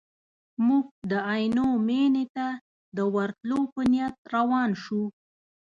موږ د عینو مینې ته د ورتلو په نیت روان شوو.